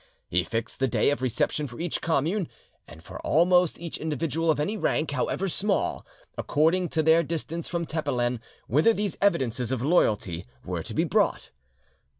He fixed the day of reception for each commune, and for almost each individual of any rank, however small, according to their distance from Tepelen, whither these evidences of loyalty were to be brought.